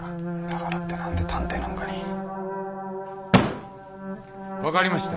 だからって何で探偵なんかに？分かりました。